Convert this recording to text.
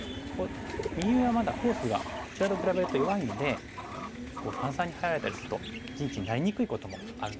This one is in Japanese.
右上はまだフォースがこちらと比べると弱いので三々に入られたりすると陣地になりにくいこともあるんですね。